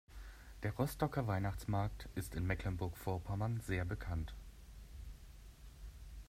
Der Rostocker Weihnachtsmarkt ist in Mecklenburg Vorpommern sehr bekannt.